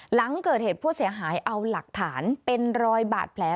หลังเกิดเหตุผู้เสียหายเอาหลักฐานเป็นรอยบาดแผล